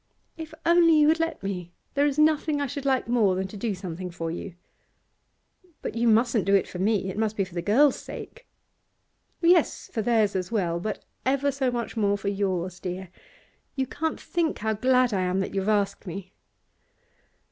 'If only you would let me! There is nothing I should like more than to do something for you.' 'But you mustn't do it for me. It must be for the girls' sake.' 'Yes, for theirs as well, but ever so much more for yours, dear. You can't think how glad I am that you have asked me.